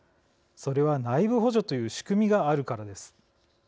それは内部補助という仕組みがあるからです。